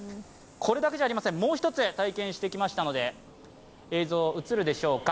これだけじゃありません、もう一つ、体験してきましたので映像映るでしょうか。